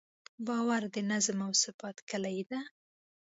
باور د نظم او ثبات کیلي ده.